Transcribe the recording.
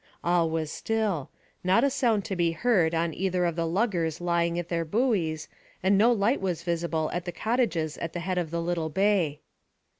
All was still. Not a sound to be heard on either of the luggers lying at their buoys, and no light was visible at the cottages at the head of the little bay.